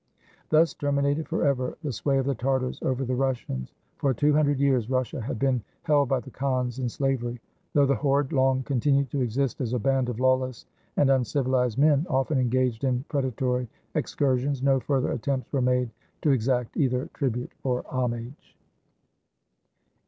Thus terminated forever the sway of the Tartars over the Russians. For two hundred years, Russia had been held by the khans in slavery. Though the horde long continued to exist as a band of lawless and uncivilized men, often engaged in predatory excursions, no further attempts were made to exact either tribute or homage.